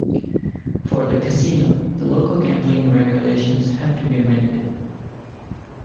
For the casino, the local gambling regulations had to be amended.